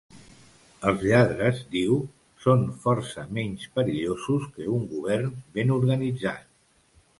Els lladres, diu, són força menys perillosos que un Govern ben organitzat.